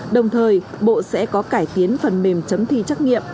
đồng thời bộ sẽ có cải tiến phần mềm chấm thi trắc nghiệm